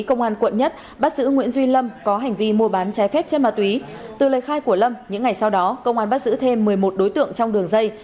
công an quận một bắt giữ nguyễn duy lâm có hành vi mua bán trái phép chân ma túy từ lời khai của lâm những ngày sau đó công an bắt giữ thêm một mươi một đối tượng trong đường dây